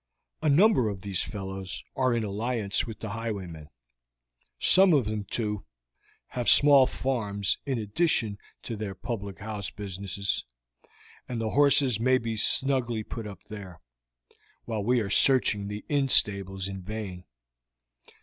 A number of these fellows are in alliance with the highwaymen. Some of them, too, have small farms in addition to their public house businesses, and the horses may be snugly put up there, while we are searching the inn stables in vain.